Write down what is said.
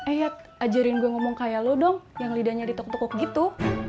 eh ajarin gue ngomong kayak lo dong yang lidahnya ditukuk tokok gitu